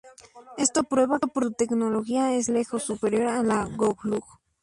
Esto prueba que su tecnología es lejos superior a la Goa'uld.